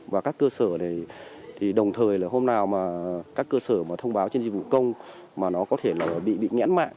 và các cơ sở này đồng thời là hôm nào mà các cơ sở thông báo trên dịch vụ công mà nó có thể bị nhẽn mạng